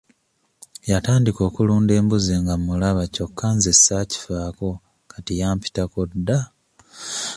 Yatandika okulunda embuzi nga mmulaba kyokka nze saakifaako kati yampitako dda.